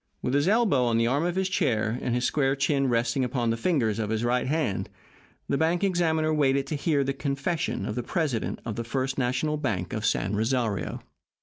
With his elbow on the arm of his chair, and his square chin resting upon the fingers of his right hand, the bank examiner waited to hear the confession of the president of the First National Bank of San Rosario.